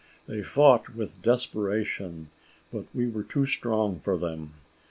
They fought with desperation, but we were too strong for them.